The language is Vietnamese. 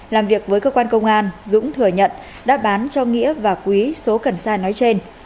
làm việc với cơ quan công an dũng thừa nhận đã bán cho nghĩa và quý số cần sai nói trên